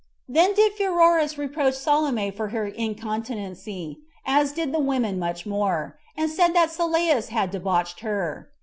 Then did Pheroras reproach Salome for her incontinency, as did the women much more; and said that Sylleus had debauched her.